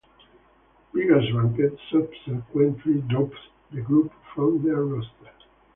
Beggars Banquet subsequently dropped the group from their roster.